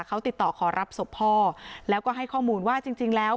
เขาติดต่อขอรับศพพ่อแล้วก็ให้ข้อมูลว่าจริงจริงแล้ว